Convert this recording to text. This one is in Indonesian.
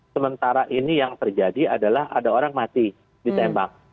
sementara ini yang terjadi adalah ada orang mati ditembak